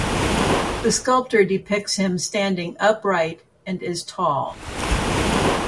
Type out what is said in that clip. The sculpture depicts him standing upright and is tall.